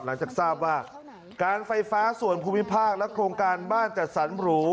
หลังจากทราบว่าการไฟฟ้าส่วนภูมิภาคและโครงการบ้านจัดสรรหรู